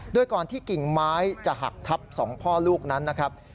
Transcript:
โดยก่อนที่กิ่งไม้จะหักทับ๒พ่อลูกนั้นนะครับ